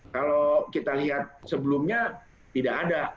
kalau kita lihat sebelumnya tidak ada